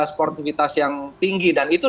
sportivitas yang tinggi dan itu